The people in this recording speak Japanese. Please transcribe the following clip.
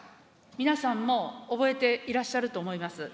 皆さんも覚えていらっしゃると思います。